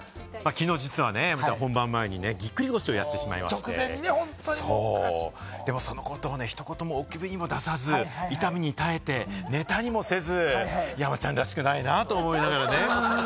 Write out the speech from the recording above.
実は昨日、本番前にぎっくり腰をやってしまって、そこを、おくびにも出さず、痛みにも耐えて、ネタにもせず、山ちゃんらしくないなと思いながらね。